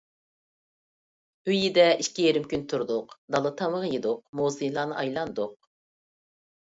ئۆيىدە ئىككى يېرىم كۈن تۇردۇق، دالا تامىقى يېدۇق، مۇزېيلارنى ئايلاندۇق.